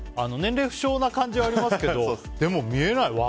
年齢不詳な感じはありますけどでも、見えない。